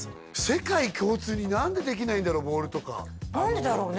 世界共通に何でできないんだろうボールとか何でだろうね？